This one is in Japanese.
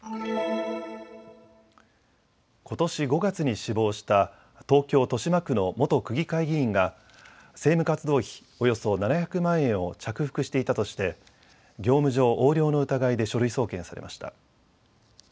ことし５月に死亡した東京豊島区の元区議会議員が政務活動費およそ７００万円を着服していたとして業務上横領の疑いで書類送検されました。